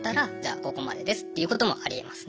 ここまでですっていうこともありえますね。